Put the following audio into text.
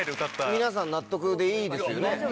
皆さん納得でいいですよね？